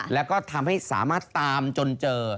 แล้วก็ทำให้สามารถตามจนเจอ